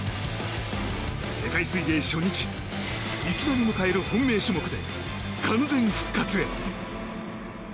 世界水泳初日いきなり迎える本命種目で完全復活へ。